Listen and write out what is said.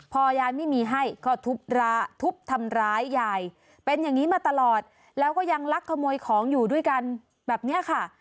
พอยายไม่มีให้ก็ทุบทำร้ายยายเป็นอย่างนี้มาตลอดแล้วก็ยังลักขโมยของอยู่ด้วยกันแบบนี้ค่ะ